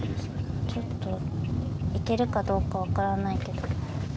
ちょっと行けるかどうかわからないけど。